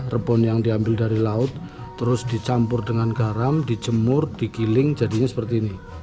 rebon yang diambil dari laut terus dicampur dengan garam dijemur digiling jadinya seperti ini